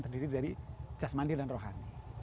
terdiri dari jasmani dan rohani